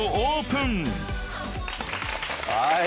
はい。